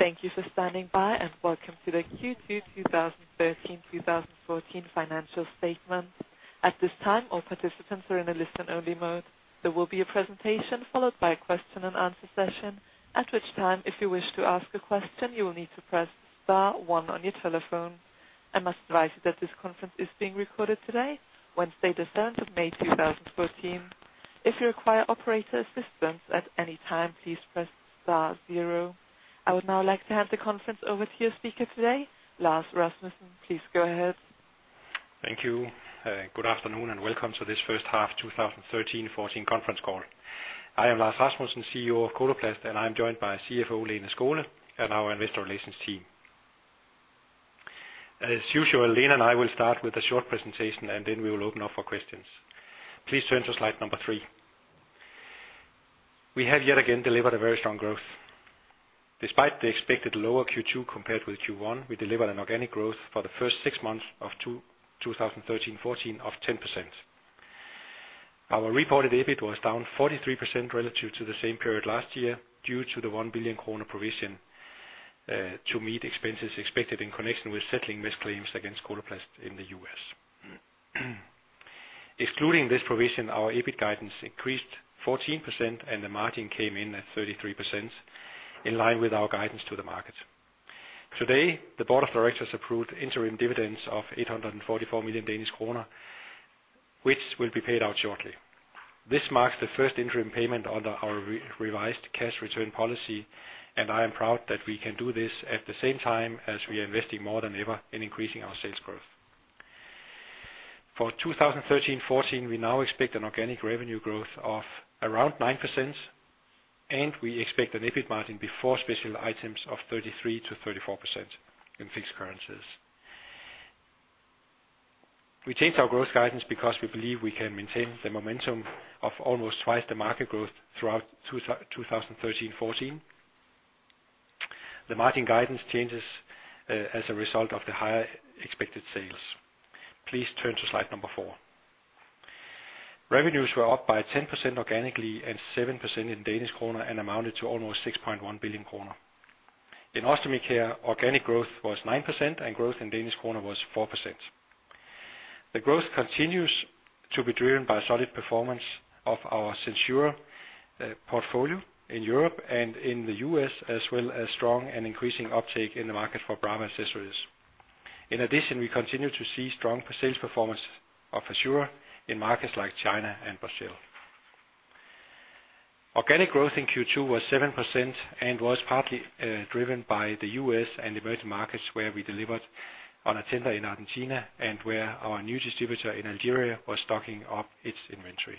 Thank you for standing by. Welcome to the Q2 2013, 2014 financial statement. At this time, all participants are in a listen-only mode. There will be a presentation, followed by a question and answer session, at which time, if you wish to ask a question, you will need to press star one on your telephone. I must advise you that this conference is being recorded today, Wednesday, the 17th of May, 2014. If you require operator assistance at any time, please press star zero. I would now like to hand the conference over to your speaker today, Lars Rasmussen. Please go ahead. Thank you. Good afternoon, and welcome to this first half 2013-'14 conference call. I am Lars Rasmussen, CEO of Coloplast, I'm joined by CFO, Lene Skole, and our investor relations team. As usual, Lene and I will start with a short presentation, then we will open up for questions. Please turn to slide number 3. We have yet again delivered a very strong growth. Despite the expected lower Q2 compared with Q1, we delivered an organic growth for the first six months of 2013-'14 of 10%. Our reported EBIT was down 43% relative to the same period last year, due to the 1 billion kroner provision to meet expenses expected in connection with settling mesh claims against Coloplast in the U.S. Excluding this provision, our EBIT guidance increased 14%, the margin came in at 33%, in line with our guidance to the market. Today, the board of directors approved interim dividends of 844 million Danish kroner, which will be paid out shortly. This marks the first interim payment under our revised cash return policy, I am proud that we can do this at the same time as we are investing more than ever in increasing our sales growth. For 2013, 2014, we now expect an organic revenue growth of around 9%, we expect an EBIT margin before special items of 33%-34% in fixed currencies. We changed our growth guidance because we believe we can maintain the momentum of almost twice the market growth throughout 2013, 2014. The margin guidance changes as a result of the higher expected sales. Please turn to slide number 4. Revenues were up by 10% organically and 7% in DKK, and amounted to almost 6.1 billion kroner. In Ostomy Care, organic growth was 9%, and growth in DKK was 4%. The growth continues to be driven by solid performance of our SenSura portfolio in Europe and in the U.S., as well as strong and increasing uptake in the market for Brava accessories. In addition, we continue to see strong sales performance of Assura in markets like China and Brazil. Organic growth in Q2 was 7% and was partly driven by the U.S. and emerging markets, where we delivered on a tender in Argentina, and where our new distributor in Algeria was stocking up its inventory.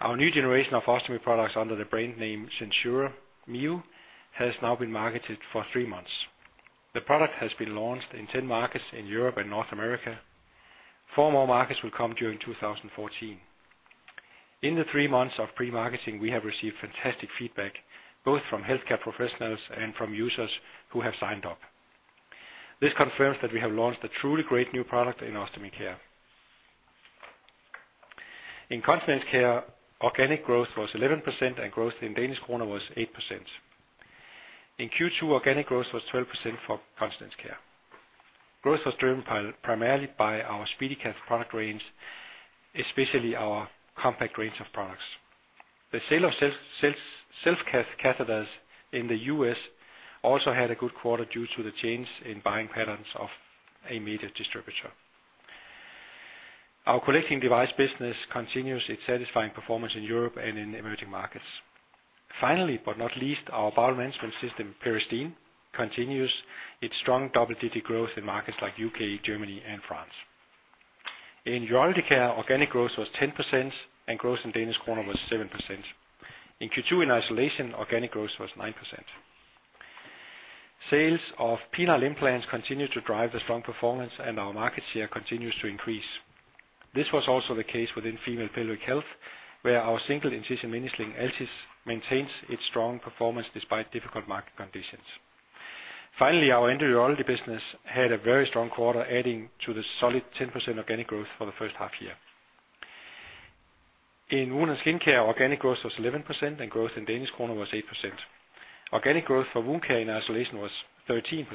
Our new generation of ostomy products, under the brand name SenSura Mio, has now been marketed for three months. The product has been launched in 10 markets in Europe and North America. four more markets will come during 2014. In the three months of pre-marketing, we have received fantastic feedback, both from healthcare professionals and from users who have signed up. This confirms that we have launched a truly great new product in Ostomy Care. In Continence Care, organic growth was 11% and growth in Danish kroner was 8%. In Q2, organic growth was 12% for Continence Care. Growth was driven primarily by our SpeediCath product range, especially our compact range of products. The sale of self-catheters in the U.S. also had a good quarter, due to the change in buying patterns of a major distributor. Our collecting device business continues its satisfying performance in Europe and in emerging markets. Finally, but not least, our bowel management system, Peristeen, continues its strong double-digit growth in markets like UK, Germany, and France. In Urology Care, organic growth was 10%, and growth in Danish kroner was 7%. In Q2, in isolation, organic growth was 9%. Sales of penile implants continued to drive the strong performance, and our market share continues to increase. This was also the case within Female Pelvic Health, where our single-incision mini-sling, Altis, maintains its strong performance despite difficult market conditions. Finally, our endourology business had a very strong quarter, adding to the solid 10% organic growth for the first half year. In Wound & Skin Care, organic growth was 11%, and growth in Danish kroner was 8%. Organic growth for wound care in isolation was 13%.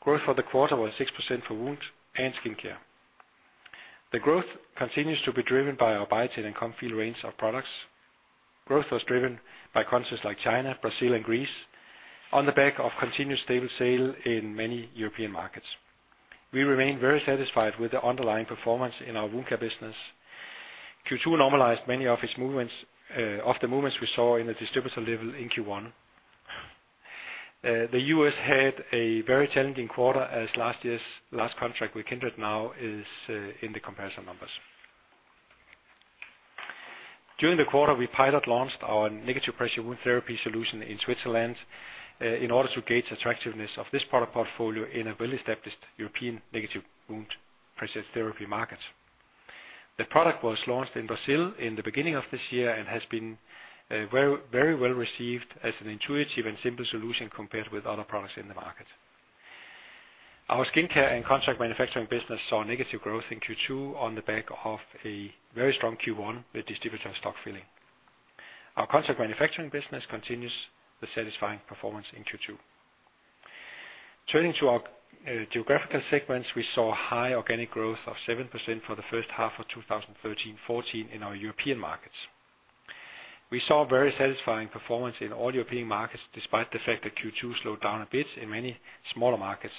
Growth for the quarter was 6% for Wound & Skin Care. The growth continues to be driven by our Biatain and Comfeel range of products. Growth was driven by countries like China, Brazil, and Greece, on the back of continuous stable sale in many European markets. We remain very satisfied with the underlying performance in our wound care business. Q2 normalized many of its movements of the movements we saw in the distributor level in Q1. The U.S. had a very challenging quarter, as last year's last contract with Kindred now is in the comparison numbers. During the quarter, we pilot-launched our Negative Pressure Wound Therapy solution in Switzerland in order to gauge attractiveness of this product portfolio in a well-established European Negative Pressure Wound Therapy market. The product was launched in Brazil in the beginning of this year and has been very well received as an intuitive and simple solution compared with other products in the market. Our Skin Care and contract manufacturing business saw negative growth in Q2 on the back of a very strong Q1 with distributor stock filling. Our contract manufacturing business continues the satisfying performance in Q2. Turning to our geographical segments, we saw high organic growth of 7% for the first half of 2013/2014 in our European markets. We saw very satisfying performance in all European markets, despite the fact that Q2 slowed down a bit in many smaller markets.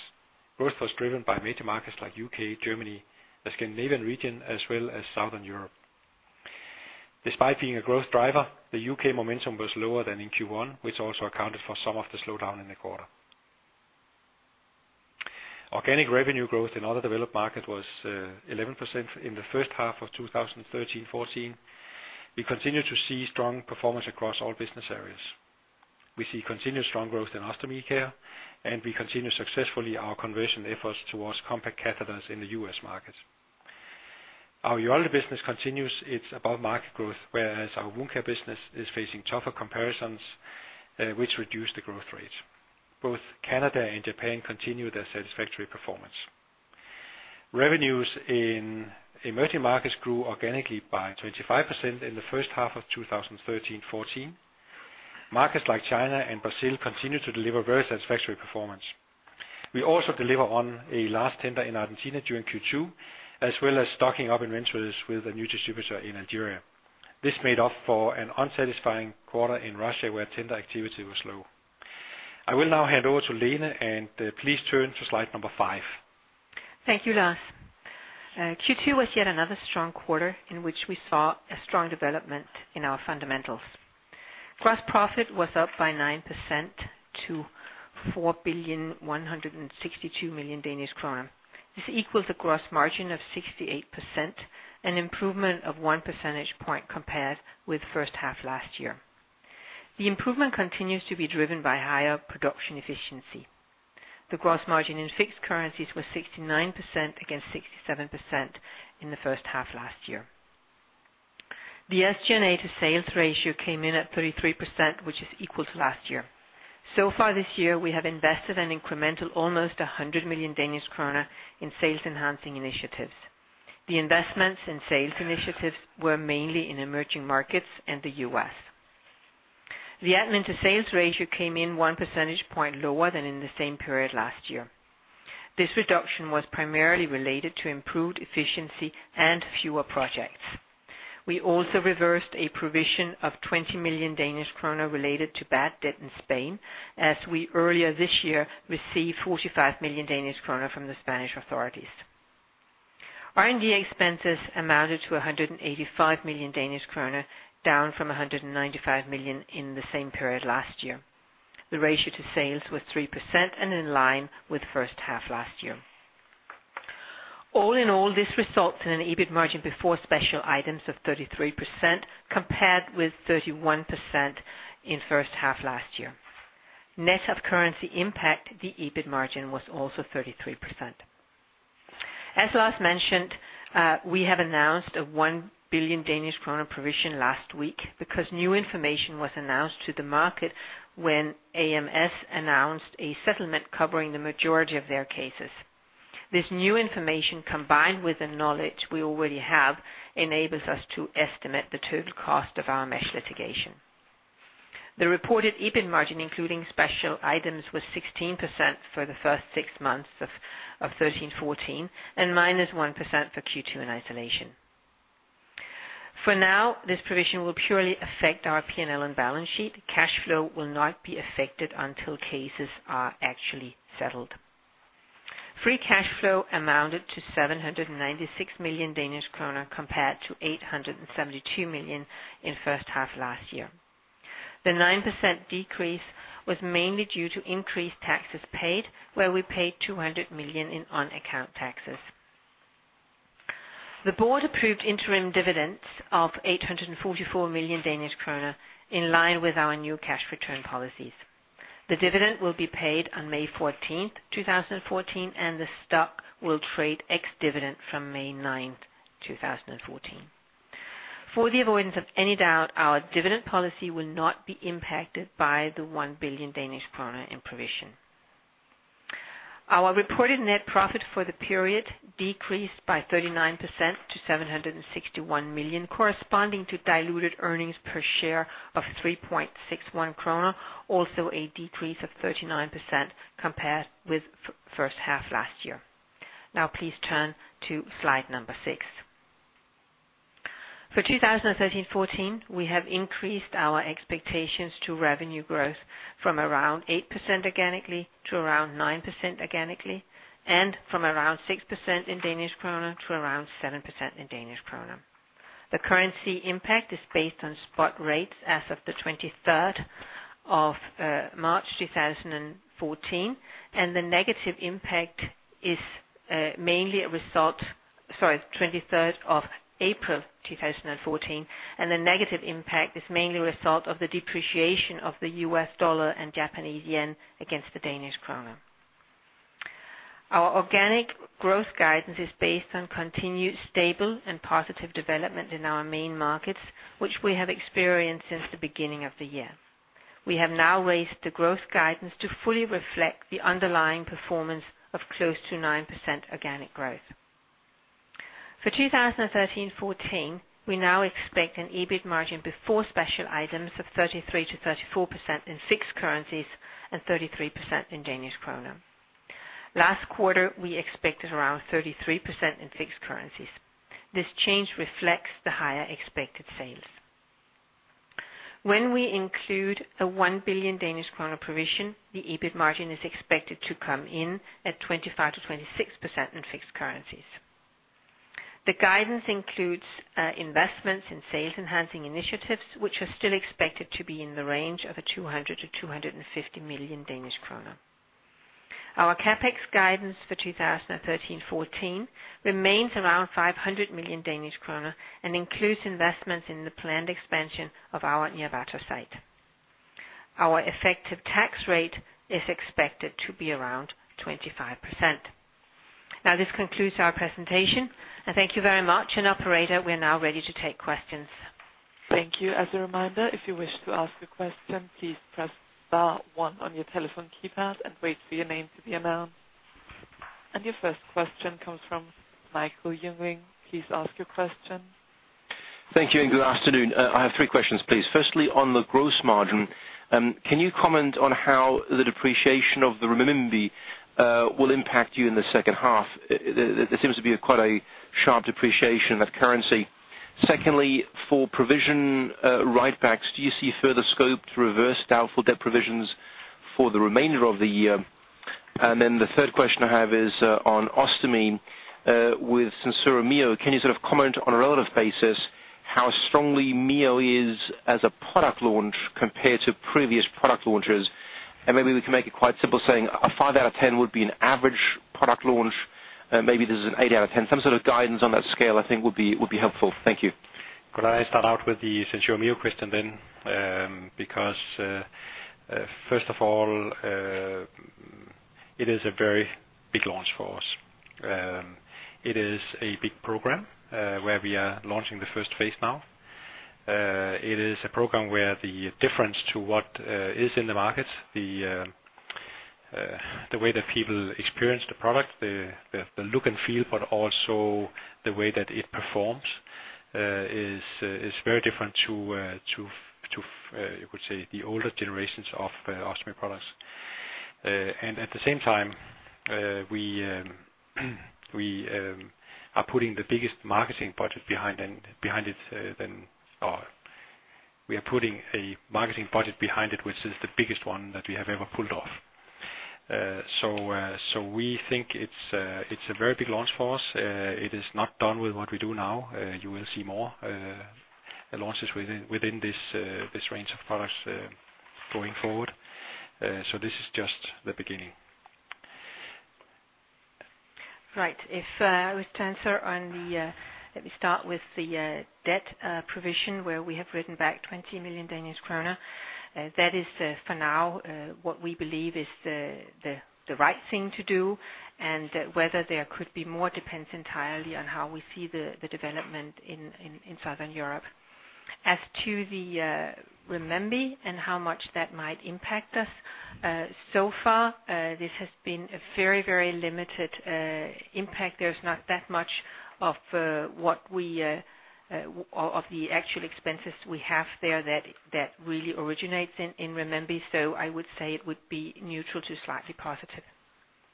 Growth was driven by major markets like U.K., Germany, the Scandinavian region, as well as Southern Europe. Despite being a growth driver, the U.K. momentum was lower than in Q1, which also accounted for some of the slowdown in the quarter. Organic revenue growth in other developed market was 11% in the first half of 2013/2014. We continue to see strong performance across all business areas. We see continued strong growth in Ostomy Care, and we continue successfully our conversion efforts towards compact catheters in the U.S. market. Our Urology Care business continues its above-market growth, whereas our Wound & Skin Care business is facing tougher comparisons, which reduce the growth rate. Both Canada and Japan continue their satisfactory performance. Revenues in emerging markets grew organically by 25% in the first half of 2013/2014. Markets like China and Brazil continue to deliver very satisfactory performance. We also deliver on a large tender in Argentina during Q2, as well as stocking up inventories with a new distributor in Algeria. This made up for an unsatisfying quarter in Russia, where tender activity was low. I will now hand over to Lene. Please turn to slide number 5. Thank you, Lars. Q2 was yet another strong quarter in which we saw a strong development in our fundamentals. Gross profit was up by 9% to 4.162 billion Danish kroner. This equals a gross margin of 68%, an improvement of 1 percentage point compared with first half last year. The improvement continues to be driven by higher production efficiency. The gross margin in fixed currencies was 69%, against 67% in the first half last year. The SG&A to sales ratio came in at 33%, which is equal to last year. So far this year, we have invested an incremental almost 100 million Danish kroner in sales-enhancing initiatives. The investments in sales initiatives were mainly in emerging markets and the U.S. The admin to sales ratio came in 1 percentage point lower than in the same period last year. This reduction was primarily related to improved efficiency and fewer projects. We also reversed a provision of 20 million Danish krone related to bad debt in Spain, as we earlier this year received 45 million Danish krone from the Spanish authorities. R&D expenses amounted to 185 million Danish krone, down from 195 million in the same period last year. The ratio to sales was 3% and in line with first half last year. All in all, this results in an EBIT margin before special items of 33%, compared with 31% in first half last year. Net of currency impact, the EBIT margin was also 33%. As Lars mentioned, we have announced a 1 billion Danish kroner provision last week because new information was announced to the market when AMS announced a settlement covering the majority of their cases. This new information, combined with the knowledge we already have, enables us to estimate the total cost of our mesh litigation. The reported EBIT margin, including special items, was 16% for the first six months of 2013/2014, and -1% for Q2 in isolation. For now, this provision will purely affect our P&L and balance sheet. Cash flow will not be affected until cases are actually settled. Free cash flow amounted to 796 million Danish kroner, compared to 872 million in first half last year. The 9% decrease was mainly due to increased taxes paid, where we paid 200 million in on-account taxes. The board approved interim dividends of 844 million Danish kroner, in line with our new cash return policies. The dividend will be paid on May 14th, 2014, and the stock will trade ex-dividend from May 9th, 2014. For the avoidance of any doubt, our dividend policy will not be impacted by the 1 billion Danish kroner in provision. Our reported net profit for the period decreased by 39% to 761 million, corresponding to diluted earnings per share of 3.61 krone, also a decrease of 39% compared with first half last year. Please turn to slide number 6. For 2013/14, we have increased our expectations to revenue growth from around 8% organically to around 9% organically, and from around 6% in DKK to around 7% in DKK. The currency impact is based on spot rates as of the 23rd of April 2014. The negative impact is mainly a result of the depreciation of the US dollar and Japanese yen against the Danish kroner. Our organic growth guidance is based on continued stable and positive development in our main markets, which we have experienced since the beginning of the year. We have now raised the growth guidance to fully reflect the underlying performance of close to 9% organic growth. For 2013, 2014, we now expect an EBIT margin before special items of 33%-34% in fixed currencies and 33% in Danish kroner. Last quarter, we expected around 33% in fixed currencies. This change reflects the higher expected sales. When we include the 1 billion Danish kroner provision, the EBIT margin is expected to come in at 25%-26% in fixed currencies. The guidance includes investments in sales enhancing initiatives, which are still expected to be in the range of 200 million-250 million Danish kroner. Our CapEx guidance for 2013, 2014 remains around 500 million Danish kroner and includes investments in the planned expansion of our Nyírbátor site. Our effective tax rate is expected to be around 25%. This concludes our presentation. Thank you very much. Operator, we are now ready to take questions. Thank you. As a reminder, if you wish to ask a question, please press star 1 on your telephone keypad and wait for your name to be announced. Your first question comes from Michael Jüngling. Please ask your question. Thank you. Good afternoon. I have 3 questions, please. Firstly, on the gross margin, can you comment on how the depreciation of the renminbi will impact you in the second half? There seems to be quite a sharp depreciation of currency. Secondly, for provision, write backs, do you see further scope to reverse doubtful debt provisions for the remainder of the year? The third question I have is on Ostomy, with SenSura Mio. Can you sort of comment on a relative basis, how strongly Mio is as a product launch compared to previous product launches? Maybe we can make it quite simple, saying a 5 out of 10 would be an average product launch, maybe this is an 8 out of 10. Some sort of guidance on that scale, I think, would be, would be helpful. Thank you. Could I start out with the SenSura Mio question then? Because, first of all, it is a very big launch for us. It is a big program, where we are launching the first phase now. It is a program where the difference to what is in the markets, the way that people experience the product, the look and feel, but also the way that it performs, is very different to, you could say, the older generations of ostomy products. At the same time, we are putting the biggest marketing budget behind it, which is the biggest one that we have ever pulled off. We think it's a, it's a very big launch for us. It is not done with what we do now. You will see more launches within this range of products going forward. This is just the beginning. Right. If, I was to answer on the, let me start with the, debt, provision where we have written back 20 million Danish kroner. That is, for now, what we believe is the, the right thing to do, and whether there could be more depends entirely on how we see the development in, in Southern Europe. As to the, Renminbi and how much that might impact us, so far, this has been a very, very limited, impact. There's not that much of, what we, of the actual expenses we have there that really originates in Renminbi. I would say it would be neutral to slightly positive.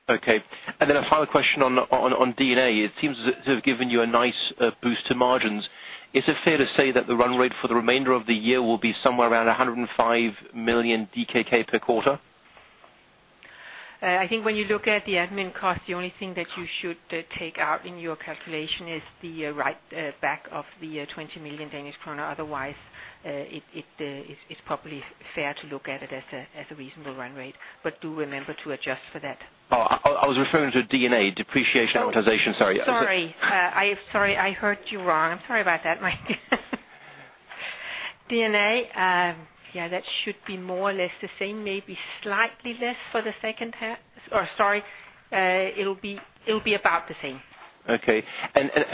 Okay. Then a final question on D&A. It seems to have given you a nice boost to margins. Is it fair to say that the run rate for the remainder of the year will be somewhere around 105 million DKK per quarter? I think when you look at the admin costs, the only thing that you should take out in your calculation is the write back of the 20 million Danish kroner. Otherwise, it's probably fair to look at it as a reasonable run rate, but do remember to adjust for that. Oh, I was referring to D&A, depreciation amortization. Sorry. Sorry. I'm sorry I heard you wrong. I'm sorry about that, Mike. D&A, yeah, that should be more or less the same. Maybe slightly less for the second half. Sorry, it'll be about the same. Okay.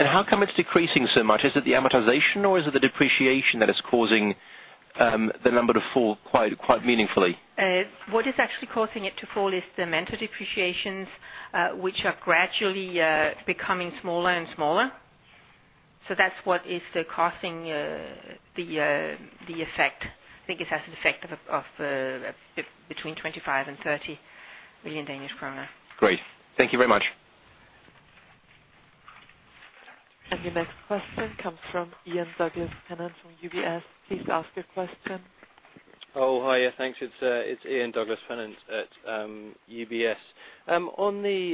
How come it's decreasing so much? Is it the amortization or is it the depreciation that is causing, the number to fall quite meaningfully? What is actually causing it to fall is the Mentor depreciations, which are gradually becoming smaller and smaller. That's what is causing the effect. I think it has an effect of between 25 and 30 million Danish kroner. Great. Thank you very much. Your next question comes from Ian Douglas-Pennant from UBS. Please ask your question. Hi, yeah, thanks. It's Ian Douglas-Pennant at UBS. On the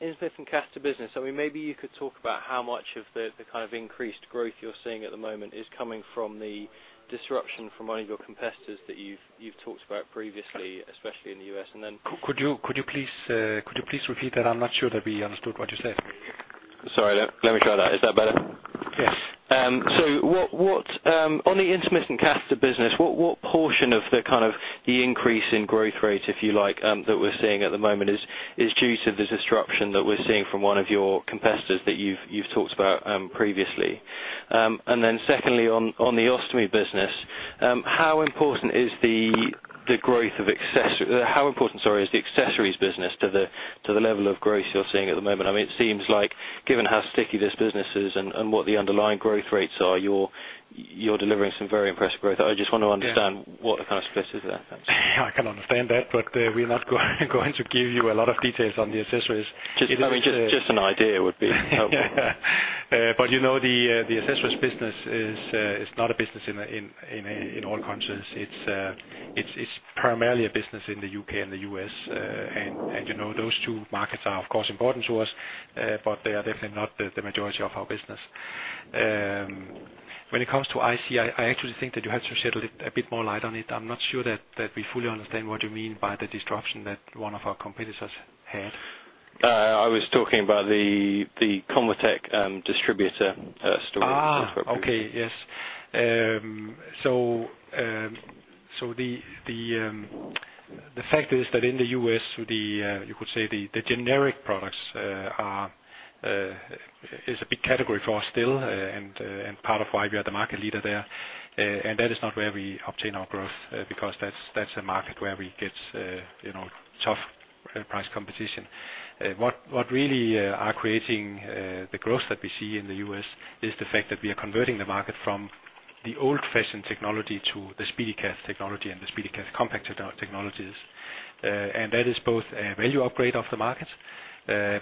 intermittent catheter business, I mean, maybe you could talk about how much of the kind of increased growth you're seeing at the moment is coming from the disruption from one of your competitors that you've talked about previously, especially in the U.S. Could you please repeat that? I'm not sure that we understood what you said. Sorry, let me try that. Is that better? Yes. What portion of the kind of the increase in growth rate, if you like, that we're seeing at the moment is due to the disruption that we're seeing from one of your competitors that you've talked about previously? Secondly, on the Ostomy Care business, how important, sorry, is the accessories business to the level of growth you're seeing at the moment? I mean, it seems like given how sticky this business is and what the underlying growth rates are, you're delivering some very impressive growth. I just want to understand. Yeah. what the kind of split is there? Thanks. I can understand that, but we're not going to give you a lot of details on the accessories. Just, I mean, just an idea would be helpful. You know, the accessories business is not a business in all countries. It's, it's primarily a business in the U.K. and the U.S. You know, those two markets are, of course, important to us, but they are definitely not the majority of our business. When it comes to IC, I actually think that you have to shed a bit more light on it. I'm not sure that we fully understand what you mean by the disruption that one of our competitors had. I was talking about the Convatec distributor story. The fact is that in the U.S., you could say the generic products are is a big category for us still, and part of why we are the market leader there. That is not where we obtain our growth, because that's a market where we get, you know, tough price competition. What really are creating the growth that we see in the U.S. is the fact that we are converting the market from the old-fashioned technology to the SpeediCath technology and the SpeediCath Compact technologies. That is both a value upgrade of the market,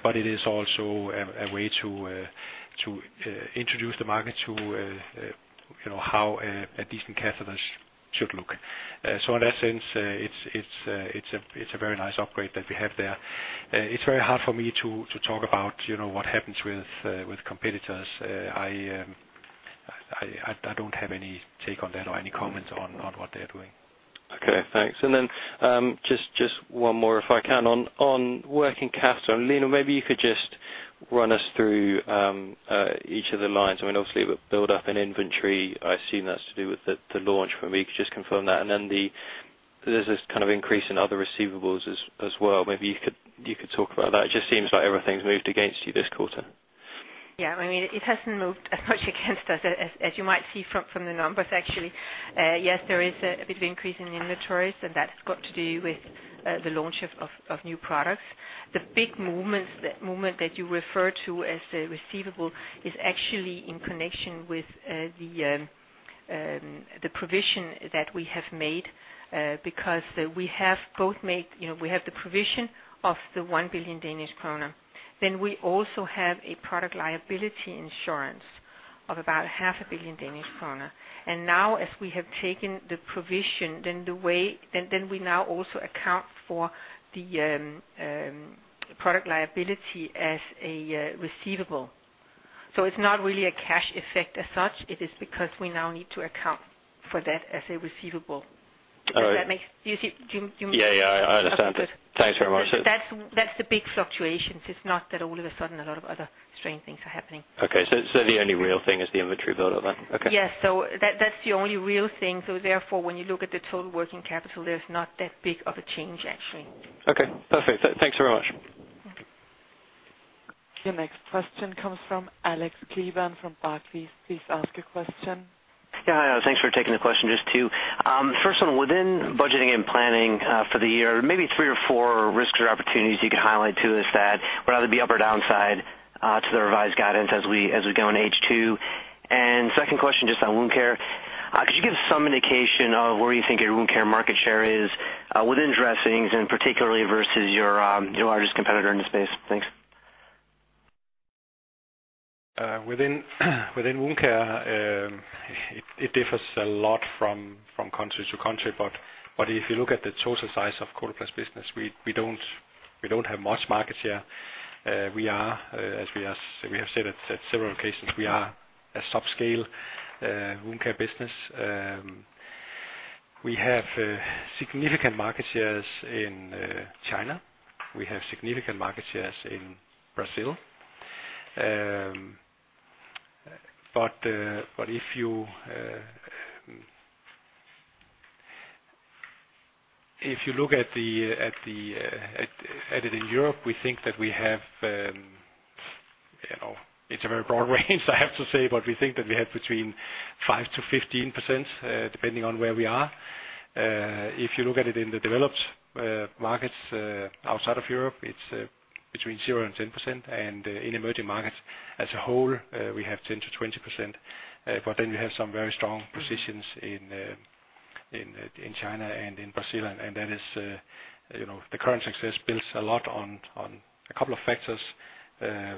but it is also a way to introduce the market to, you know, how a decent catheters should look. In that sense, it's a very nice upgrade that we have there. It's very hard for me to talk about, you know, what happens with competitors. I don't have any take on that or any comments on what they're doing. Okay, thanks. Then, just one more, if I can, on working capital. Lene, maybe you could just run us through each of the lines. I mean, obviously, the build up in inventory, I assume that's to do with the launch, but if you could just confirm that, and then there's this kind of increase in other receivables as well. Maybe you could talk about that. It just seems like everything's moved against you this quarter. Yeah. I mean, it hasn't moved as much against us as you might see from the numbers, actually. Yes, there is a bit of increase in inventories, and that's got to do with the launch of new products. The big movements, the movement that you refer to as the receivable is actually in connection with the provision that we have made, because we have both made, you know, we have the provision of 1 billion Danish kroner. Then we also have a product liability insurance of about half a billion DKK. Now, as we have taken the provision, then we now also account for the product liability as a receivable. It's not really a cash effect as such. It is because we now need to account for that as a receivable. All right. Do you see? Do you? Yeah, yeah, I understand. Okay, good. Thanks very much. That's the big fluctuations. It's not that all of a sudden a lot of other strange things are happening. Okay. The only real thing is the inventory build-up then? Okay. Yes. That's the only real thing. Therefore, when you look at the total working capital, there's not that big of a change, actually. Okay, perfect. Thanks very much. The next question comes from Alex Kleban from Barclays. Please ask your question. Yeah, thanks for taking the question. Just two. First one, within budgeting and planning for the year, maybe three or four risks or opportunities you could highlight to us that would either be up or downside to the revised guidance as we go in H2? Second question, just on Wound Care. Could you give some indication of where you think your Wound Care market share is within dressings, and particularly versus your largest competitor in the space? Thanks. Within Wound Care, it differs a lot from country to country. If you look at the total size of Coloplast business, we don't have much market share. We are, as we have said at several occasions, we are a subscale Wound Care business. We have significant market shares in China. We have significant market shares in Brazil. If you look at it in Europe, we think that we have, you know, it's a very broad range, I have to say, but we think that we have between 5%-15%, depending on where we are. If you look at it in the developed markets outside of Europe, it's between 0% and 10%, and in emerging markets as a whole, we have 10%-20%. We have some very strong positions in China and in Brazil. That is, you know, the current success builds a lot on a couple of factors.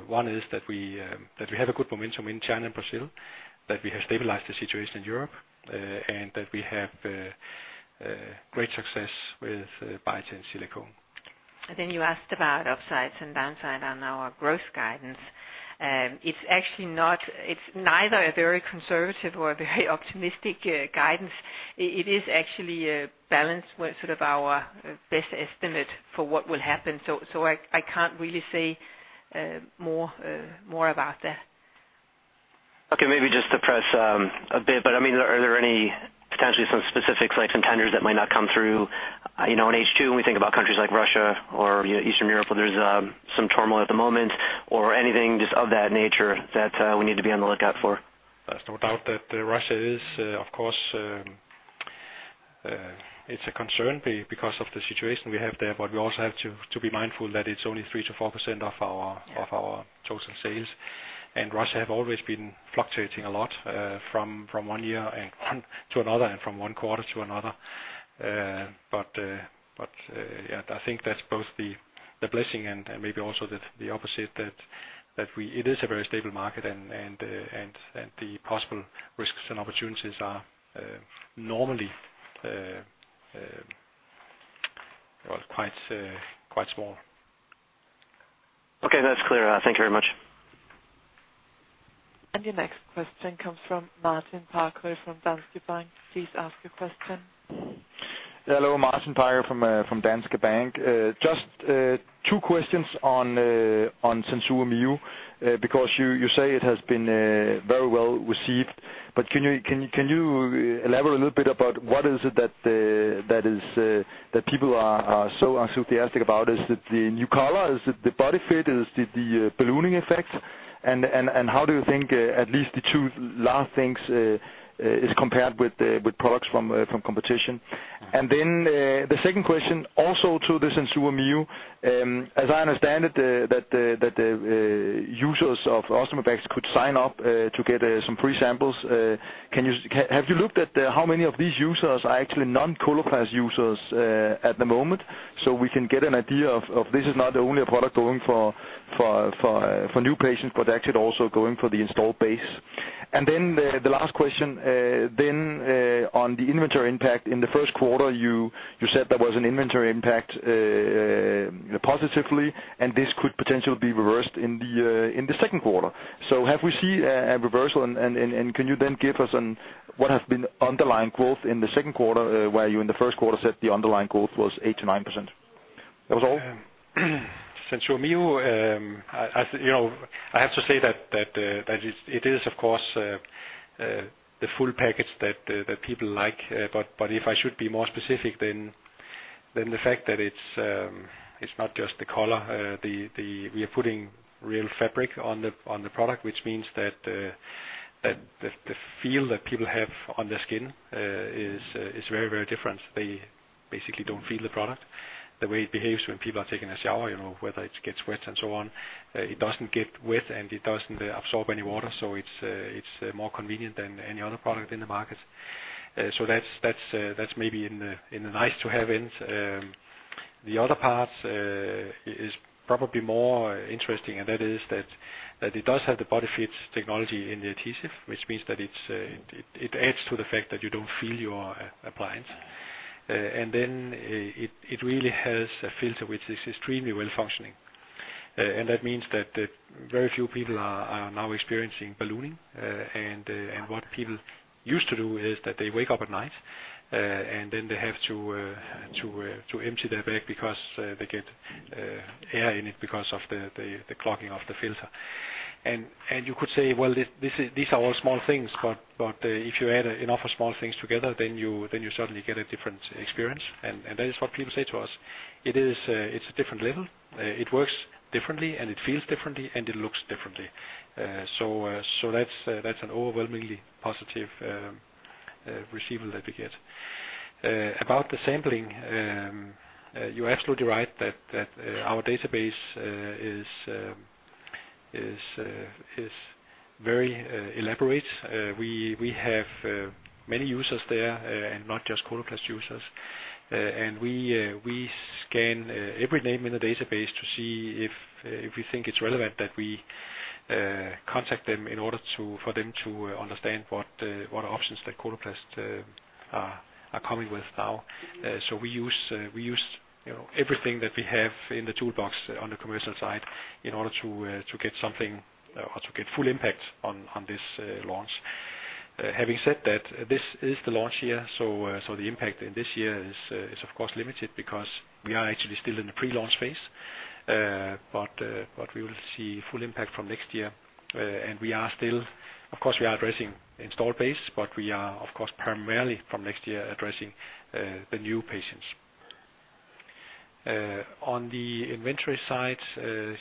One is that we have a good momentum in China and Brazil, that we have stabilized the situation in Europe, and that we have great success with Biatain Silicone. You asked about upsides and downside on our growth guidance. It's actually neither a very conservative or a very optimistic guidance. It is actually a balance with sort of our best estimate for what will happen. I can't really say more about that. maybe just to press, a bit, but I mean, are there any potentially some specific threats and tenders that might not come through? you know, in H2, when we think about countries like Russia or Eastern Europe, where there's, some turmoil at the moment, or anything just of that nature that, we need to be on the lookout for? There's no doubt that Russia is, of course, it's a concern because of the situation we have there, but we also have to be mindful that it's only 3% to 4% of our-. Yeah. Of our total sales. Russia have always been fluctuating a lot, from one year and one to another, and from one quarter to another. Yeah, I think that's both the blessing and maybe also the opposite, that it is a very stable market and the possible risks and opportunities are normally, well, quite small. Okay, that's clear. Thank you very much. Your next question comes from Martin Parkhøi, from Danske Bank. Please ask your question. Hello, Martin Parkhøi from Danske Bank. Just two questions on SenSura Mio, because you say it has been very well received, but can you elaborate a little bit about what is it that is that people are so enthusiastic about? Is it the new color? Is it the BodyFit? Is it the ballooning effect? How do you think at least the two last things is compared with products from competition? The second question, also to the SenSura Mio, as I understand it, that the users of ostomy bags could sign up to get some free samples. Can you have you looked at how many of these users are actually non-Coloplast users at the moment? We can get an idea of this is not only a product going for new patients, but actually also going for the installed base. The last question on the inventory impact. In the first quarter, you said there was an inventory impact, you know, positively, and this could potentially be reversed in the second quarter. Have we seen a reversal? Can you then give us what has been underlying growth in the second quarter, where you in the first quarter said the underlying growth was 8%-9%? That was all. SenSura Mio, I, you know, I have to say that, it is, of course, the full package that people like, but if I should be more specific, then the fact that it's not just the color, we are putting real fabric on the product, which means that the feel that people have on their skin is very, very different. They basically don't feel the product. The way it behaves when people are taking a shower, you know, whether it gets wet and so on, it doesn't get wet, and it doesn't absorb any water. It's more convenient than any other product in the market. That's maybe in the nice-to-have end. The other part is probably more interesting, and that is that it does have the BodyFit Technology in the adhesive, which means that it's, it adds to the fact that you don't feel your appliance. Then, it really has a filter which is extremely well-functioning. That means that very few people are now experiencing ballooning. What people used to do is that they wake up at night, and then they have to empty their bag because they get air in it because of the clogging of the filter. You could say, well, this is, these are all small things, but if you add enough small things together, then you suddenly get a different experience. That is what people say to us. It is, it's a different level. It works differently, and it feels differently, and it looks differently. That's an overwhelmingly positive receival that we get. About the sampling, you're absolutely right that our database is very elaborate. We have many users there, and not just Coloplast users. We scan every name in the database to see if we think it's relevant that we contact them for them to understand what options that Coloplast are coming with now. We use, you know, everything that we have in the toolbox on the commercial side in order to get something or to get full impact on this launch. Having said that, this is the launch year, so the impact in this year is of course limited because we are actually still in the pre-launch phase. We will see full impact from next year, and we are still. Of course, we are addressing installed base, but we are, of course, primarily from next year, addressing the new patients. On the inventory side,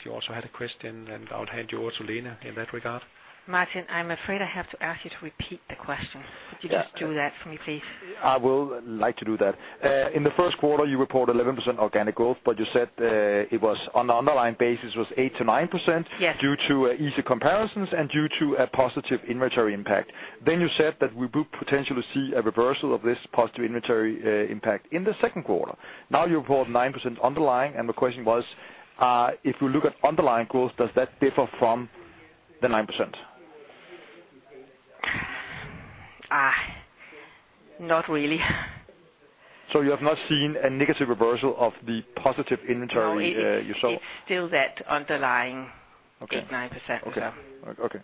you also had a question, and I'll hand you over to Lene in that regard. Martin, I'm afraid I have to ask you to repeat the question. Yeah. Could you just do that for me, please? I will like to do that. Thank you. In the first quarter, you reported 11% organic growth, you said, it was on an underlying basis, was 8%-9%. Yes. due to easy comparisons and due to a positive inventory impact. You said that we would potentially see a reversal of this positive inventory impact in the second quarter. You report 9% underlying, the question was: If you look at underlying growth, does that differ from the 9%? Not really. You have not seen a negative reversal of the positive inventory, you saw? No, it's still that underlying- Okay. 8%, 9%. Yeah. Okay. Okay.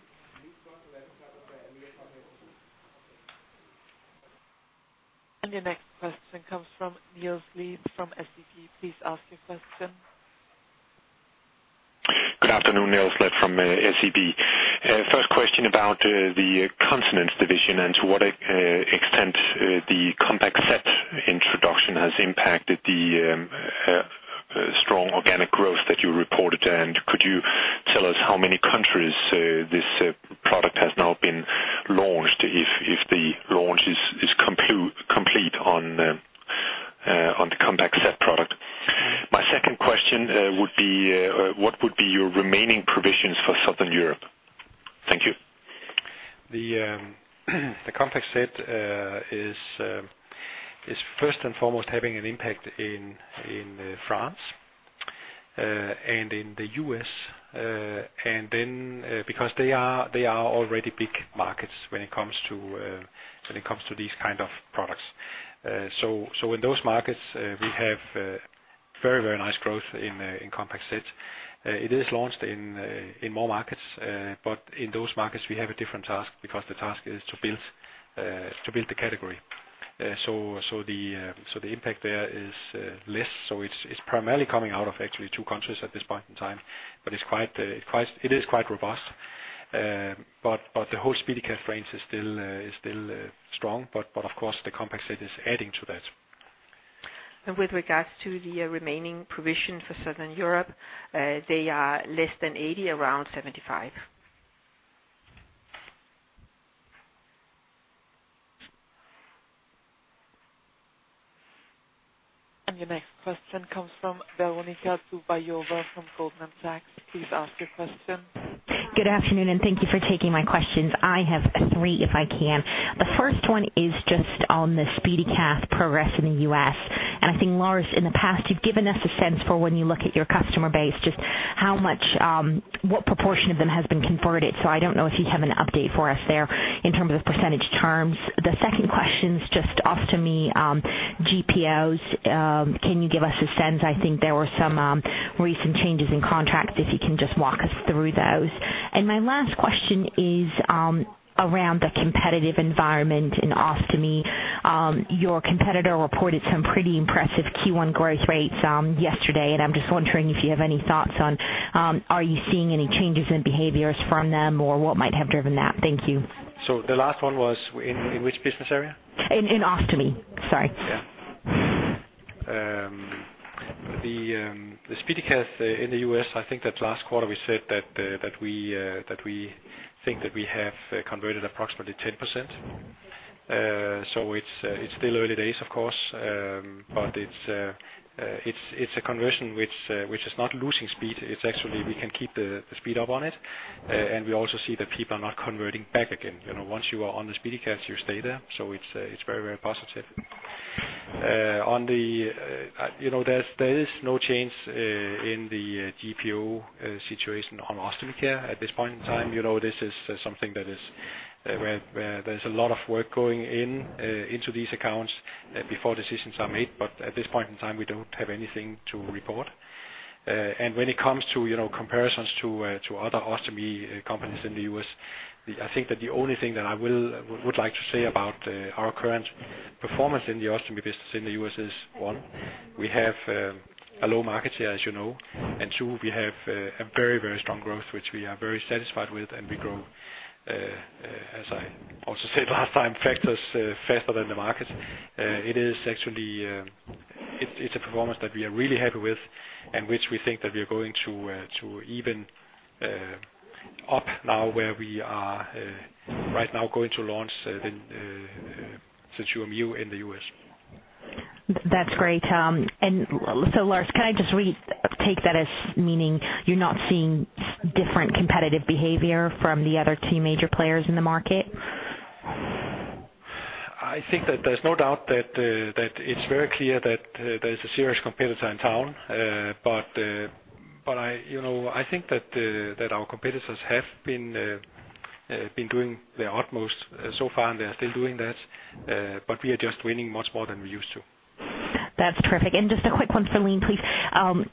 Your next question comes from Niels Leth from SEB. Please ask your question. Good afternoon, Niels Leth from SEB. First question about the Continence Care division and to what extent the Compact Set introduction has impacted the strong organic growth that you reported? Could you tell us how many countries this product has now been launched, if the launch is complete on the Compact Set product? My second question would be what would be your remaining provisions for Southern Europe? Thank you. The Compact Set is first and foremost, having an impact in France and in the U.S. because they are already big markets when it comes to these kind of products. In those markets, we have very, very nice growth in Compact Set. It is launched in more markets. In those markets, we have a different task because the task is to build the category. The impact there is less, so it's primarily coming out of actually two countries at this point in time, but it is quite robust. The whole SpeediCath range is still strong, but of course, the Compact Set is adding to that. With regards to the remaining provision for Southern Europe, they are less than 80, around 75. Your next question comes from Veronika Dubajova from Goldman Sachs. Please ask your question. Good afternoon, thank you for taking my questions. I have three, if I can. The first one is just on the SpeediCath progress in the U.S., I think, Lars, in the past, you've given us a sense for when you look at your customer base, just how much, what proportion of them has been converted. I don't know if you have an update for us there in terms of percentage terms. The second question is just, ostomy, GPOs, can you give us a sense? I think there were some recent changes in contracts, if you can just walk us through those. My last question is around the competitive environment in ostomy. Your competitor reported some pretty impressive Q1 growth rates yesterday, and I'm just wondering if you have any thoughts on, are you seeing any changes in behaviors from them or what might have driven that? Thank you. The last one was in which business area? In ostomy. Sorry. Yeah. The SpeediCath in the U.S., I think that last quarter we said that we that we think that we have converted approximately 10%. It's still early days, of course, but it's it's a conversion which is not losing speed. It's actually, we can keep the speed up on it. We also see that people are not converting back again. You know, once you are on the SpeediCath, you stay there, so it's very, very positive. On the, you know, there is no change in the GPO situation on Ostomy Care at this point in time. You know, this is something that is, where there's a lot of work going in, into these accounts, before decisions are made, but at this point in time, we don't have anything to report. When it comes to, you know, comparisons to other ostomy companies in the U.S., I think that the only thing that I would like to say about, our current performance in the ostomy business in the U.S. is, one, we have, a low market share, as you know, and two, we have a very, very strong growth, which we are very satisfied with, and we grow, as I also said last time, factors, faster than the market. It's a performance that we are really happy with, and which we think that we are going to even up now, where we are right now going to launch the SenSura Mio in the U.S. That's great. Lars, can I just take that as meaning you're not seeing different competitive behavior from the other two major players in the market? I think that there's no doubt that it's very clear that, there's a serious competitor in town. I, you know, I think that our competitors have been doing their utmost so far, and they are still doing that. We are just winning much more than we used to. That's terrific. Just a quick one for Lene, please.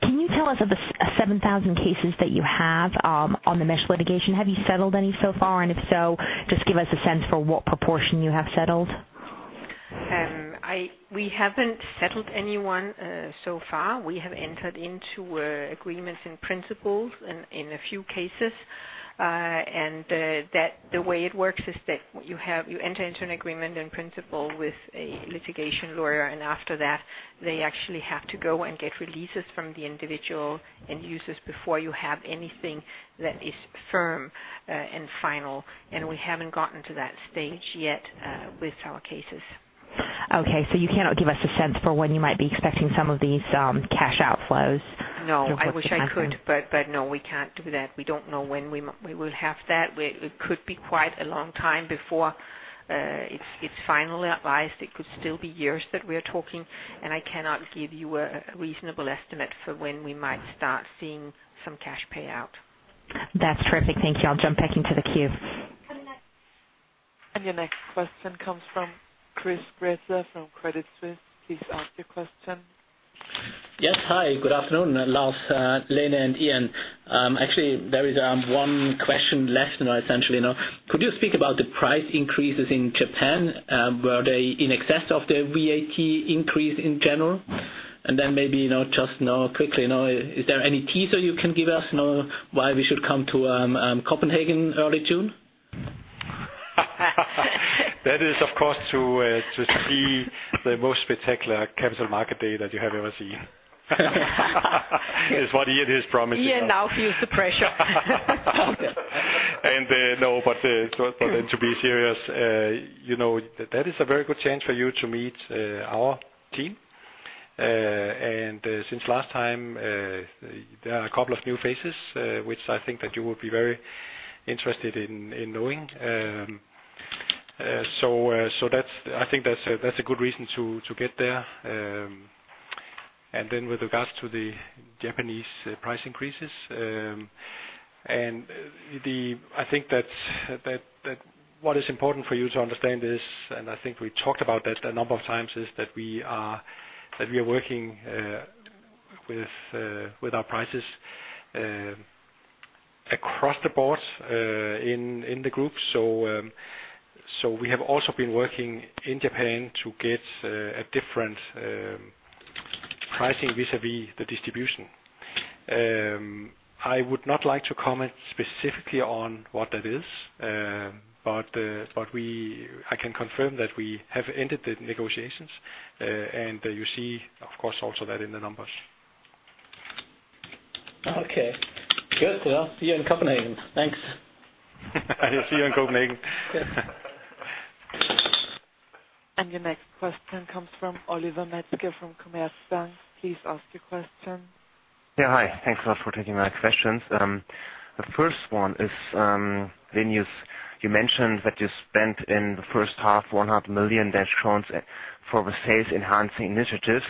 Can you tell us of the 7,000 cases that you have on the mesh litigation, have you settled any so far? If so, just give us a sense for what proportion you have settled. We haven't settled anyone so far. We have entered into agreements and principles in a few cases, and that the way it works is that you enter into an agreement and principle with a litigation lawyer, and after that, they actually have to go and get releases from the individual and users before you have anything that is firm and final. We haven't gotten to that stage yet with our cases. Okay, you cannot give us a sense for when you might be expecting some of these cash outflows? No, I wish I could, but no, we can't do that. We don't know when we will have that. It could be quite a long time before it's finally advised. It could still be years that we are talking, and I cannot give you a reasonable estimate for when we might start seeing some cash payout. That's terrific. Thank you. I'll jump back into the queue. Your next question comes from Christoph Gretler from Credit Suisse. Please ask your question. Yes. Hi, good afternoon, Lars, Lene, and Ian. Actually, there is one question less now, essentially now. Could you speak about the price increases in Japan? Were they in excess of the VAT increase in general? Then maybe, you know, just quickly, you know, is there any teaser you can give us why we should come to Copenhagen early June? That is, of course, to see the most spectacular capital market day that you have ever seen. Is what Ian has promised us. Ian now feels the pressure. To be serious, you know, that is a very good chance for you to meet our team. Since last time, there are a couple of new faces, which I think that you will be very interested in knowing. That's a good reason to get there. With regards to the Japanese price increases, and the, I think that what is important for you to understand is, and I think we talked about that a number of times, is that we are working with our prices across the board in the group. We have also been working in Japan to get a different pricing vis-à-vis the distribution. I would not like to comment specifically on what that is. I can confirm that we have ended the negotiations. You see, of course, also that in the numbers. Okay. Good. Well, see you in Copenhagen. Thanks. I'll see you in Copenhagen. Yes. Your next question comes from Oliver Metzger from Commerzbank. Please ask your question. Yeah, hi. Thanks a lot for taking my questions. The first one is, when you mentioned that you spent in the first half, 100 million crowns for the sales-enhancing initiatives.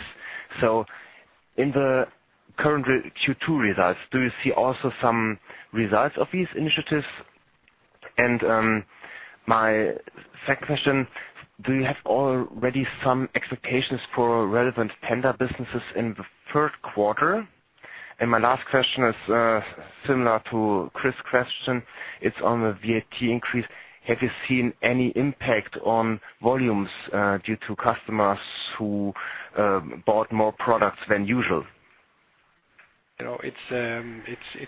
In the current Q2 results, do you see also some results of these initiatives? My second question, do you have already some expectations for relevant tender businesses in the third quarter? My last question is, similar to Chris's question. It's on the VAT increase. Have you seen any impact on volumes due to customers who bought more products than usual? You know, it's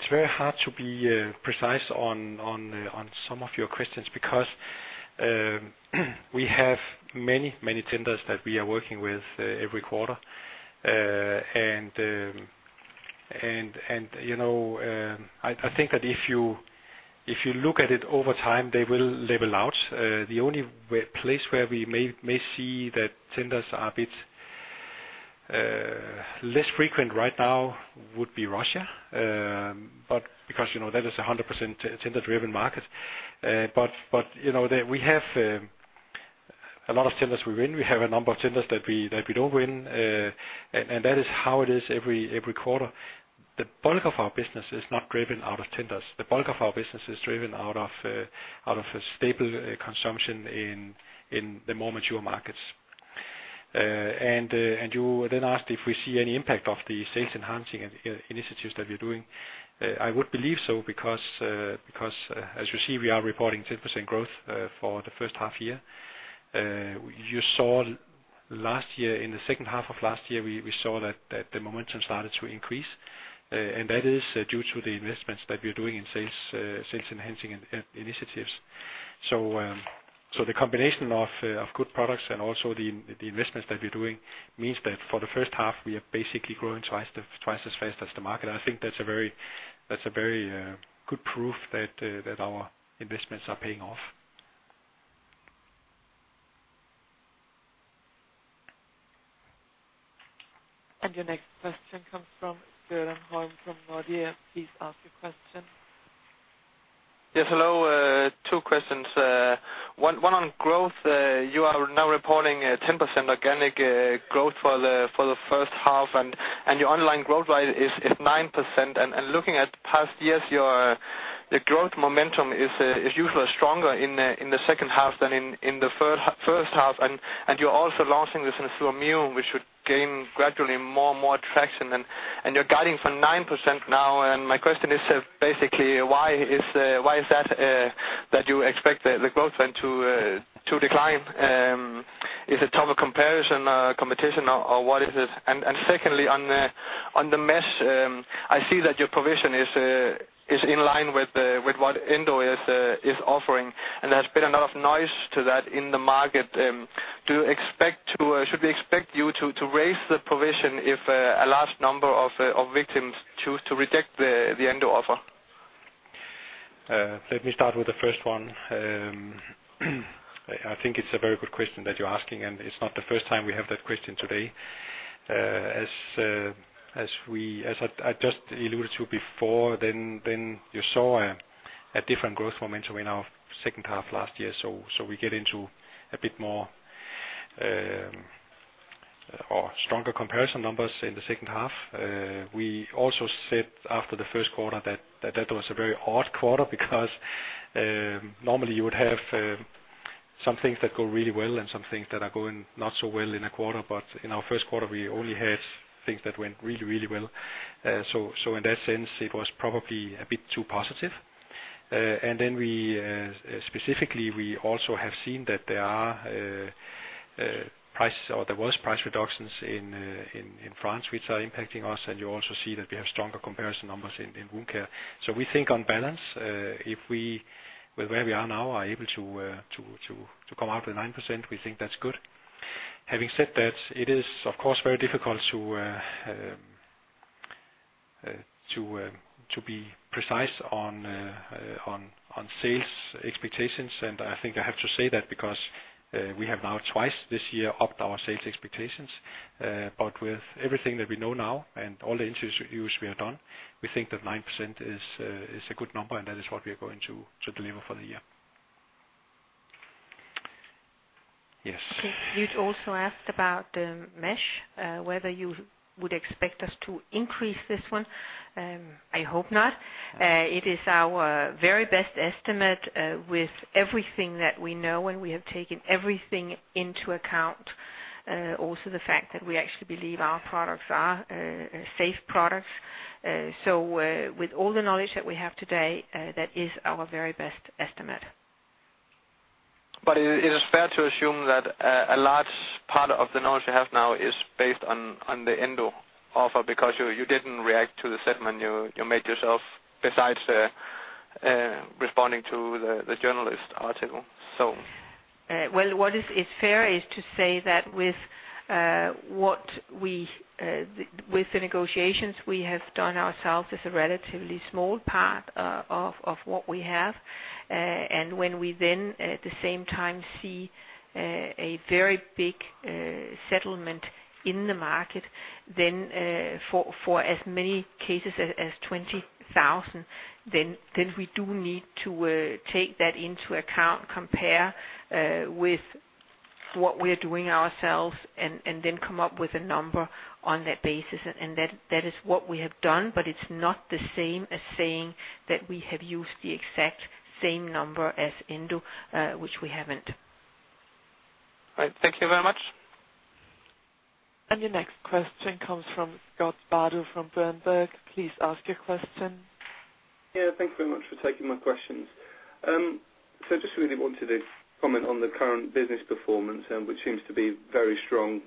very hard to be precise on some of your questions, because we have many tenders that we are working with every quarter. You know, I think that if you look at it over time, they will level out. The only place where we may see that tenders are a bit less frequent right now would be Russia. Because, you know, that is a 100% tender-driven market. You know, we have a lot of tenders we win. We have a number of tenders that we don't win. That is how it is every quarter. The bulk of our business is not driven out of tenders. The bulk of our business is driven out of a stable consumption in the more mature markets. You then asked if we see any impact of the sales-enhancing initiatives that we're doing. I would believe so because, as you see, we are reporting 10% growth for the first half year. You saw last year, in the second half of last year, we saw that the momentum started to increase, and that is due to the investments that we're doing in sales-enhancing initiatives. The combination of good products and also the investments that we're doing, means that for the first half, we are basically growing twice as fast as the market. I think that's a very, that's a very, good proof that our investments are paying off. Your next question comes from Gøran Høim from Nordea. Please ask your question. Yes, hello. two questions. one on growth. you are now reporting a 10% organic growth for the first half, your underlying growth rate is 9%. Looking at past years, your, the growth momentum is usually stronger in the second half than in the first half. You're also launching this SenSura Mio, which should gain gradually more and more traction. You're guiding for 9% now. My question is basically, why is that that you expect the growth trend to decline? Is it tougher comparison, competition, or what is it? Secondly, on the mesh, I see that your provision is in line with what Endo is offering. There's been a lot of noise to that in the market. Should we expect you to raise the provision if a large number of victims choose to reject the Endo offer? Let me start with the first one. I think it's a very good question that you're asking. It's not the first time we have that question today. As we, as I just alluded to before, you saw a different growth momentum in our second half last year. We get into a bit more or stronger comparison numbers in the second half. We also said after the first quarter that was a very odd quarter because normally you would have some things that go really well and some things that are going not so well in a quarter. In our first quarter, we only had things that went really well. In that sense, it was probably a bit too positive. Then we specifically, we also have seen that there are prices or there was price reductions in France, which are impacting us. You also see that we have stronger comparison numbers in wound care. We think on balance, if we, with where we are now, are able to come out with 9%, we think that's good. Having said that, it is, of course, very difficult to be precise on sales expectations. I think I have to say that because we have now twice this year upped our sales expectations. With everything that we know now and all the interviews we have done, we think that 9% is a good number, and that is what we are going to deliver for the year. Yes. You'd also asked about the mesh, whether you would expect us to increase this one. I hope not. It is our very best estimate, with everything that we know, and we have taken everything into account. Also the fact that we actually believe our products are safe products. With all the knowledge that we have today, that is our very best estimate. Is it fair to assume that a large part of the knowledge you have now is based on the Endo offer? Because you didn't react to the settlement you made yourself, besides responding to the journalist article, so? Well, what is fair is to say that with what we with the negotiations we have done ourselves is a relatively small part of what we have. When we then, at the same time, see a very big settlement in the market, then for as many cases as 20,000, then we do need to take that into account, compare with what we are doing ourselves, and then come up with a number on that basis. That is what we have done. It's not the same as saying that we have used the exact same number as Endo, which we haven't. All right. Thank you very much. Your next question comes from Scott Bardo from Berenberg. Please ask your question. Thank you very much for taking my questions. Just really wanted to comment on the current business performance, which seems to be very strong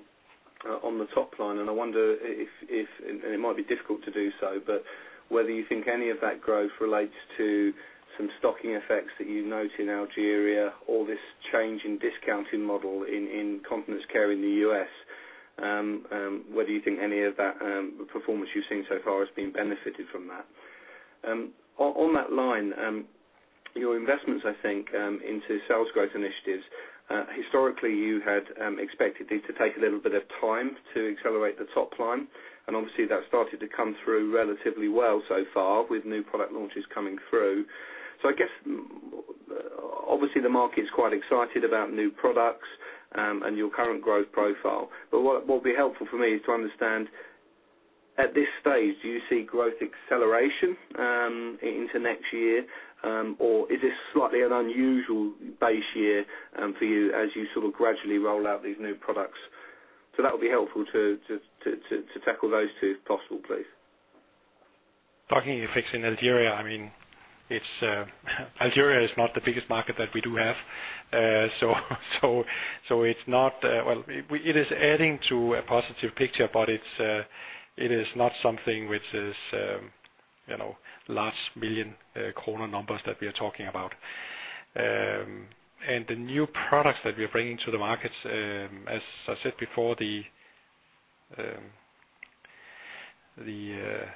on the top line. I wonder if, and it might be difficult to do so, but whether you think any of that growth relates to some stocking effects that you note in Algeria or this change in discounting model in Continence Care in the U.S., whether you think any of that performance you've seen so far has been benefited from that? On that line, your investments, I think, into sales growth initiatives, historically, you had expected it to take a little bit of time to accelerate the top line, obviously, that started to come through relatively well so far with new product launches coming through. I guess, obviously, the market is quite excited about new products, and your current growth profile. What would be helpful for me is to understand, at this stage, do you see growth acceleration into next year? Or is this slightly an unusual base year for you as you sort of gradually roll out these new products? That would be helpful to tackle those two, if possible, please. Talking effects in Algeria, I mean, it's, Algeria is not the biggest market that we do have. So it's not, well, it is adding to a positive picture, but it's, it is not something which is, you know, large million DKK numbers that we are talking about. The new products that we are bringing to the markets, as I said before, the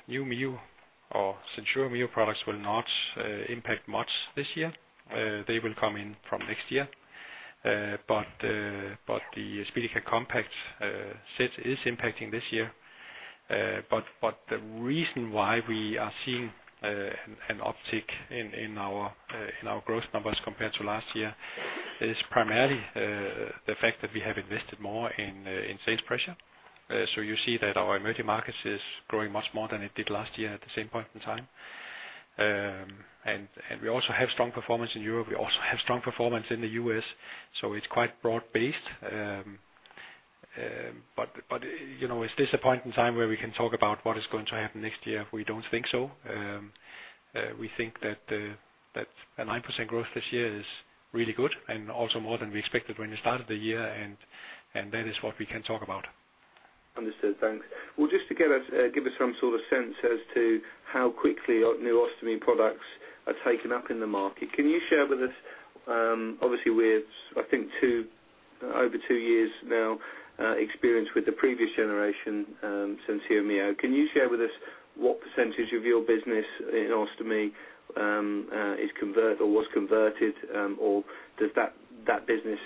new Mio or SenSura Mio products will not impact much this year. They will come in from next year. But the SpeediCare Compact Set is impacting this year. But the reason why we are seeing an uptick in our growth numbers compared to last year, is primarily the fact that we have invested more in sales pressure. So you see that our emerging markets is growing much more than it did last year at the same point in time. And we also have strong performance in Europe. We also have strong performance in the U.S., so it's quite broad-based. But, you know, it's this point in time where we can talk about what is going to happen next year. We don't think so. We think that a 9% growth this year is really good and also more than we expected when we started the year, and that is what we can talk about. Understood. Thanks. Well, just to get us, give us some sort of sense as to how quickly your new ostomy products are taken up in the market, can you share with us, obviously with, I think, over two years now, experience with the previous generation, SenSura Mio, can you share with us what percentage of your business in ostomy, is convert or was converted, or does that business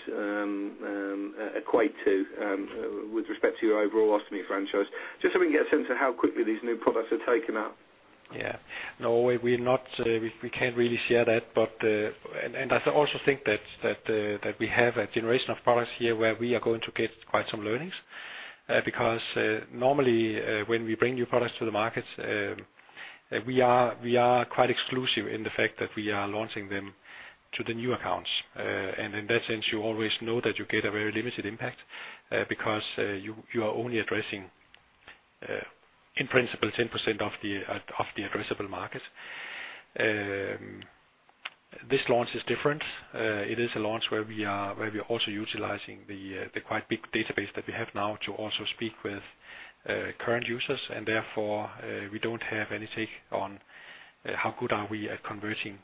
equate to, with respect to your overall ostomy franchise? Just so we can get a sense of how quickly these new products are taken up. No, we're not, we can't really share that. I also think that we have a generation of products here where we are going to get quite some learnings, because normally, when we bring new products to the market, we are, we are quite exclusive in the fact that we are launching them to the new accounts. In that sense, you always know that you get a very limited impact, because you are only addressing in principle, 10% of the addressable market. This launch is different. It is a launch where we are also utilizing the quite big database that we have now to also speak with current users, and therefore, we don't have any take on how good are we at converting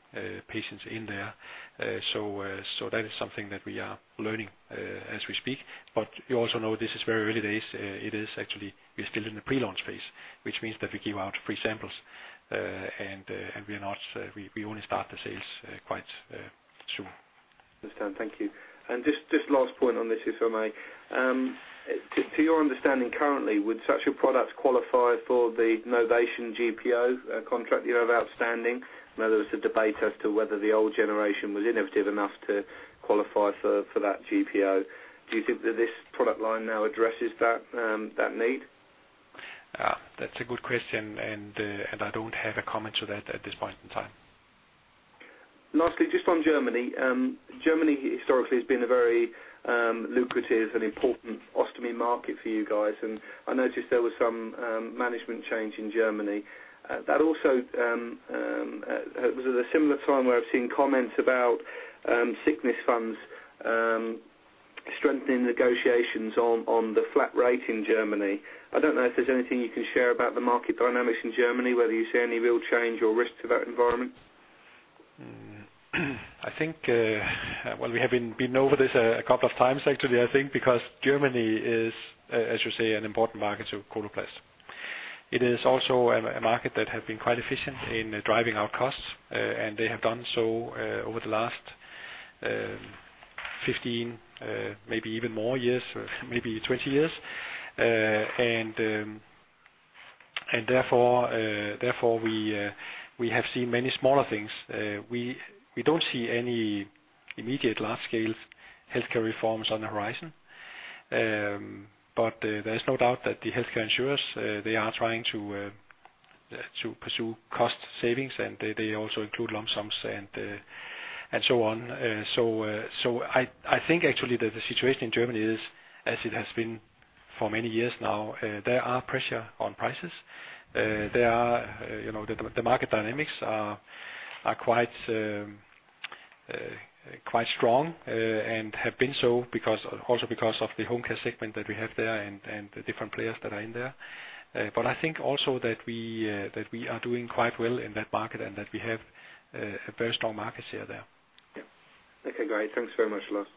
patients in there. That is something that we are learning as we speak. You also know this is very early days. It is actually, we're still in the pre-launch phase, which means that we give out free samples, and we are not, we only start the sales quite soon. Understand. Thank you. Just last point on this, if I may. To your understanding currently, would such a product qualify for the Novation GPO contract you have outstanding? I know there was a debate as to whether the old generation was innovative enough to qualify for that GPO. Do you think that this product line now addresses that need? That's a good question, and I don't have a comment to that at this point in time. Lastly, just on Germany. Germany historically has been a very lucrative and important ostomy market for you guys. I noticed there was some management change in Germany. That also was at a similar time where I've seen comments about sickness funds strengthening negotiations on the flat rate in Germany. I don't know if there's anything you can share about the market dynamics in Germany, whether you see any real change or risk to that environment? I think, well, we have been over this a couple of times, actually, I think, because Germany is, as you say, an important market to Coloplast. It is also a market that has been quite efficient in driving our costs, and they have done so over the last 15, maybe even more years, or maybe 20 years. Therefore, therefore, we have seen many smaller things. We don't see any immediate large-scale healthcare reforms on the horizon. There's no doubt that the healthcare insurers, they are trying to pursue cost savings, and they also include lump sums and so on. I think actually that the situation in Germany is, as it has been for many years now, there are pressure on prices. There are, you know, the market dynamics are quite strong, and have been so because, also because of the home care segment that we have there and the different players that are in there. I think also that we are doing quite well in that market, and that we have a very strong market share there. Yeah. Okay, great. Thanks very much, Lars.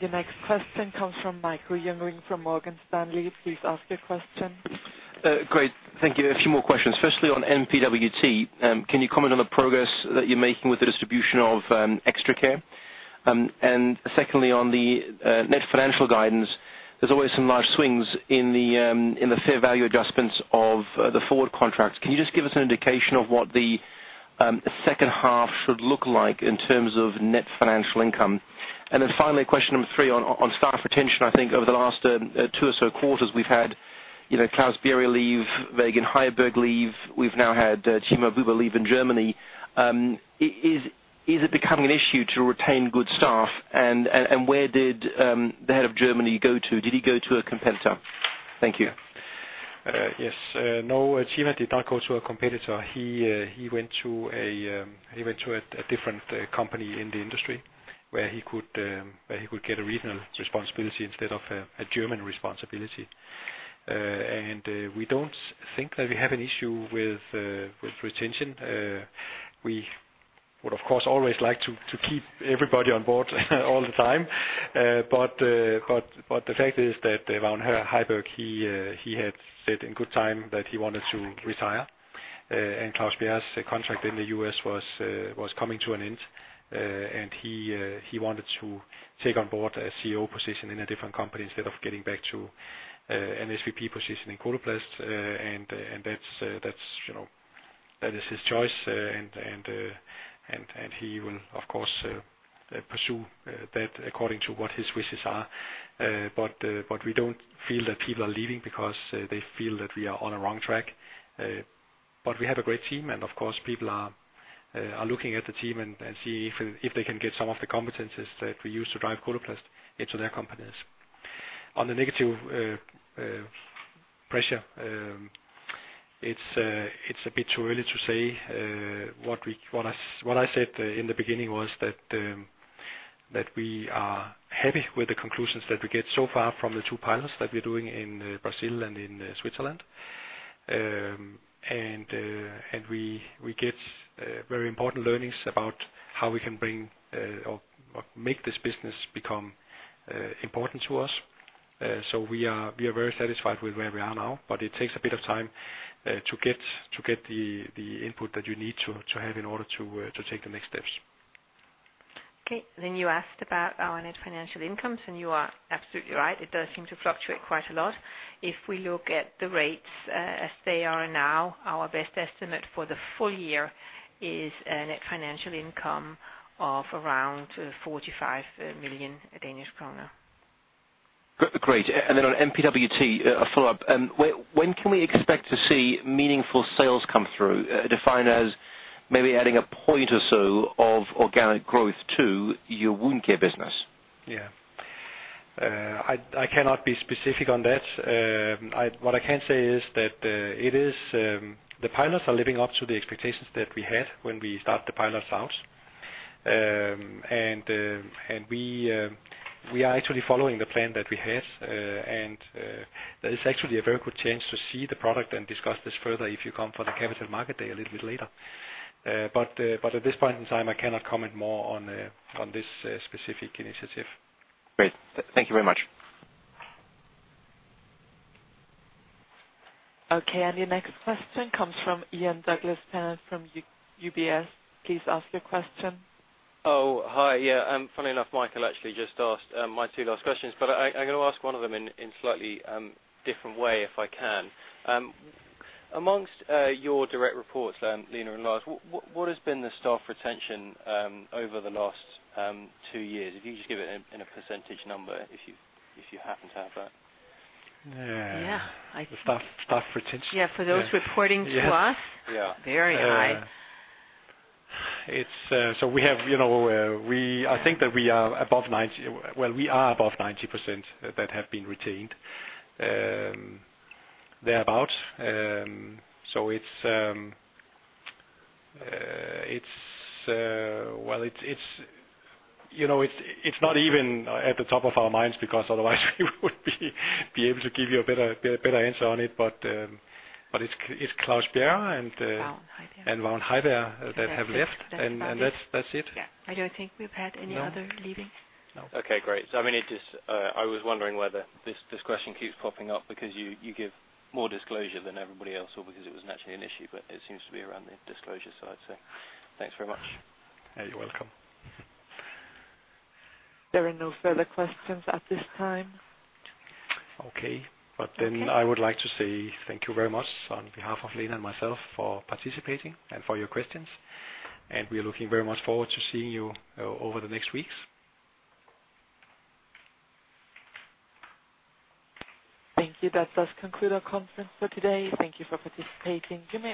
The next question comes from Michael Jüngling from Morgan Stanley. Please ask your question. Great. Thank you. A few more questions. Firstly, on NPWT, can you comment on the progress that you're making with the distribution of ExtraCare? Secondly, on the net financial guidance, there's always some large swings in the fair value adjustments of the forward contracts. Can you just give us an indication of what the second half should look like in terms of net financial income? Finally, question number three, on staff retention. I think over the last two or so quarters, we've had, you know, Claus Bjerre leave, Vagn Heiberg leave. We've now had Timo Buer leave in Germany. Is it becoming an issue to retain good staff, and where did the head of Germany go to? Did he go to a competitor? Thank you. Yes. No, Timo did not go to a competitor. He went to a different company in the industry where he could get a regional responsibility instead of a German responsibility. We don't think that we have an issue with retention. We would, of course, always like to keep everybody on board all the time. The fact is that around Heiberg, he had said in good time that he wanted to retire. Claus Bjerre's contract in the U.S. was coming to an end, and he wanted to take on board a CEO position in a different company instead of getting back to an SVP position in Coloplast. That's, you know, that is his choice. He will, of course, pursue that according to what his wishes are. We don't feel that people are leaving because they feel that we are on a wrong track. We have a great team, and of course, people are looking at the team and see if they can get some of the competencies that we use to drive Coloplast into their companies. On the negative pressure, it's a bit too early to say what I said in the beginning was that we are happy with the conclusions that we get so far from the two pilots that we're doing in Brazil and in Switzerland. We get very important learnings about how we can bring, or make this business become important to us. We are very satisfied with where we are now, but it takes a bit of time to get the input that you need to have in order to take the next steps. You asked about our net financial income, and you are absolutely right. It does seem to fluctuate quite a lot. If we look at the rates, as they are now, our best estimate for the full year is a net financial income of around 45 million Danish kroner. Great. On MPWT, a follow-up. When can we expect to see meaningful sales come through, defined as maybe adding a point or so of organic growth to your wound care business? Yeah. I cannot be specific on that. What I can say is that it is the pilots are living up to the expectations that we had when we start the pilots out. We are actually following the plan that we had. There is actually a very good chance to see the product and discuss this further if you come for the capital market day a little bit later. At this point in time, I cannot comment more on this specific initiative. Great. Thank you very much. Okay, your next question comes from Ian Douglas-Pennant from UBS. Please ask your question. Hi. Yeah, funny enough, Michael actually just asked my two last questions, but I'm gonna ask one of them in slightly different way, if I can. Amongst your direct reports, Lene and Lars, what has been the staff retention over the last two years? If you just give it in a percentage number, if you, if you happen to have that. Yeah. Yeah. The staff retention. Yeah, for those reporting to us? Yeah. Very high. We have, you know, I think that we are above 90, well, we are above 90% that have been retained, thereabout. It's, well, it's, you know, it's not even at the top of our minds, because otherwise we would be able to give you a better, be a better answer on it. It's Claus Bjerre and- Vagn Hauberg. Vagn Hauberg that have left, and that's it. Yeah. I don't think we've had any other leaving. No. Okay, great. I mean, it just, I was wondering whether this question keeps popping up because you give more disclosure than everybody else, or because it was actually an issue, but it seems to be around the disclosure side, so thanks very much. You're welcome. There are no further questions at this time. Okay. Okay. I would like to say thank you very much on behalf of Lene and myself for participating and for your questions. We are looking very much forward to seeing you over the next weeks. Thank you. That does conclude our conference for today. Thank you for participating. Goodbye.